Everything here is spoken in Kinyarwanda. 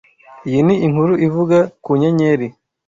Iyi ni inkuru ivuga ku nyenyeri.